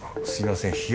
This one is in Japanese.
すみません